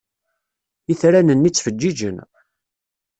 Itran-nni ttfeǧǧiǧen.